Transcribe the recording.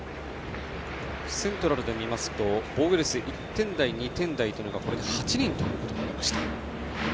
セントラルで見ますと防御率１点台、２点台が８人ということになりました。